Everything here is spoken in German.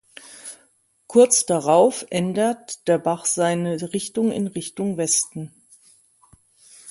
Kurz darauf ändert der Bach seine Richtung in Richtung Westen.